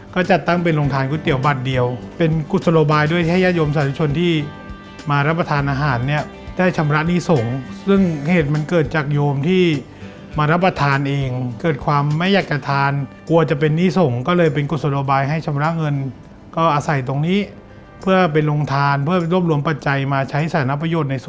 ก็จัดตั้งเป็นโรงทานก๋วยเตี๋ยวบัตรเดียวเป็นกุศโลบายด้วยให้ญาติโยมสาธุชนที่มารับประทานอาหารเนี่ยได้ชำระหนี้สงฆ์ซึ่งเหตุมันเกิดจากโยมที่มารับประทานเองเกิดความไม่อยากจะทานกลัวจะเป็นหนี้ส่งก็เลยเป็นกุศโลบายให้ชำระเงินก็อาศัยตรงนี้เพื่อเป็นโรงทานเพื่อไปรวบรวมปัจจัยมาใช้สารประโยชน